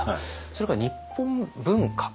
それから日本文化